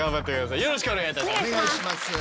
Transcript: よろしくお願いします。